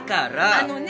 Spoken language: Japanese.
あのね！